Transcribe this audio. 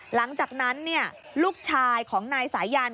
หลังจากนั้นลูกชายของนายสายัน